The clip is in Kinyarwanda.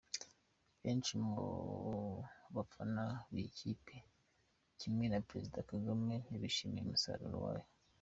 Benshi mu bafana b’iyi kipe kimwe na Perezida Kagame ntibishimiye umusaruro wayo.